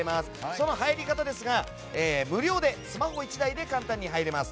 その入り方ですが無料でスマホ１台で簡単に入れます。